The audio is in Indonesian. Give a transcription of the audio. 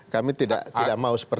kami tidak mau seperti